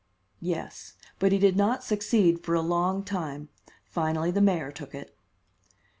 "Yes, but he did not succeed for a long time. Finally the mayor took it."